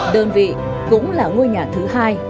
đơn vị cũng là ngôi nhà thứ hai